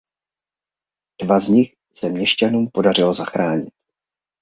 Dva z nich se měšťanům podařilo zachránit.